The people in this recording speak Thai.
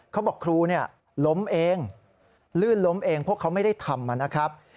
เขาบอกครูเนี่ยล้มเองลื่นล้มเองพวกเขาไม่ได้ทำมานะครับ